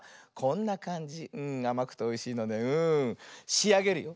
しあげるよ。